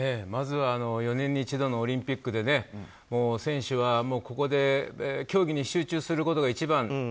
まずは４年に一度のオリンピックで選手はここで競技に集中することが一番。